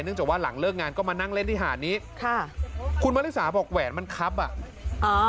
จากว่าหลังเลิกงานก็มานั่งเล่นที่หาดนี้ค่ะคุณมริสาบอกแหวนมันครับอ่ะอ่า